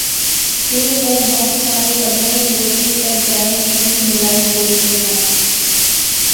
تہ او بہوں سارے ٹبریں، لوکیں تہ گرائیں کی وی ملائی جوڑی سکنا